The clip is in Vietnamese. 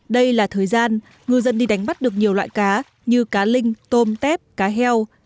đây là thời gian ngư dân đi đánh bắt được nhiều loại cá như cá linh tôm tép cá heo